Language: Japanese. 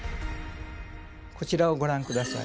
こちらをご覧ください。